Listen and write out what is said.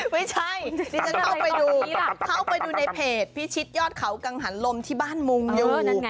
ไม่ใช่นี่จะเข้าไปดูในเพจพิชิตยอดเขากังหันลมที่บ้านมุงอยู่